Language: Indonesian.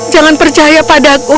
jangan percaya padaku